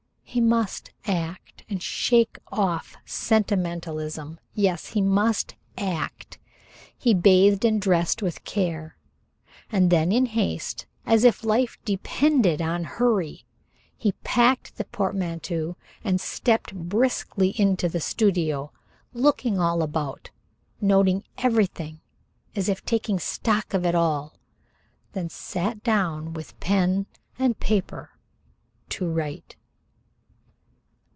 He must act, and shake off sentimentalism. Yes, he must act. He bathed and dressed with care, and then in haste, as if life depended on hurry, he packed the portmanteau and stepped briskly into the studio, looking all about, noting everything as if taking stock of it all, then sat down with pen and paper to write.